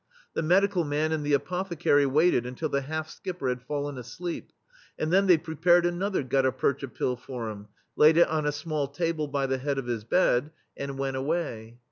The medical man and the apothecary waited until the half skipper had fallen asleep, and then they prepared another gutta percha pill for him, laid it on a small table by the head of his bed, and went away.